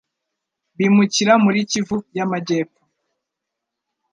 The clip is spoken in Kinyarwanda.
bimukira muri Kivu y'Amajyepfo